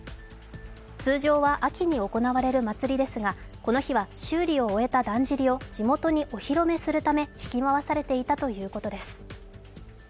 通常は秋に行われる祭りですがこの日は修理を終えただんじりを地元にお披露目するためひき回されていたということです。